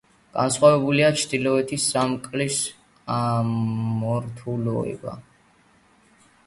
განსხვავებულია ჩრდილოეთი სარკმლის მორთულობა.